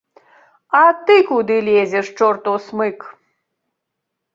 А ты куды лезеш, чортаў смык?